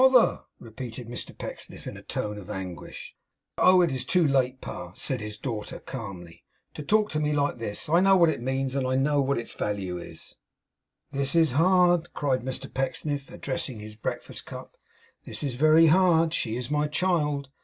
'Bother!' repeated Mr Pecksniff, in a tone of anguish. 'Oh! 'tis too late, Pa,' said his daughter, calmly 'to talk to me like this. I know what it means, and what its value is.' 'This is hard!' cried Mr Pecksniff, addressing his breakfast cup. 'This is very hard! She is my child.